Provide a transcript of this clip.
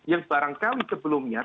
yang barangkali sebelumnya